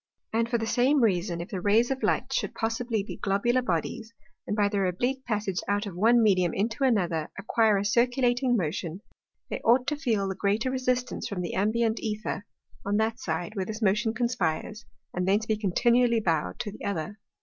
And for the same Reason, if the Rays of Light should possibly be globular Bodies, and by their oblique Passage out of one Medium into another, acquire a circulating Motion, they ought to feel the greater resistance from the ambient Æther, on that side, where this Motion conspires, and thence be continually bowed to the other.